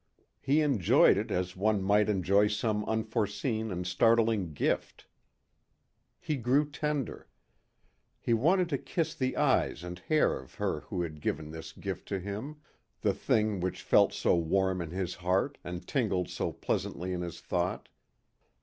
He enjoyed it as one might enjoy some unforeseen and startling gift. He grew tender. He wanted to kiss the eyes and hair of her who had given this gift to him the thing which felt so warm in his heart and tingled so pleasantly in his thought.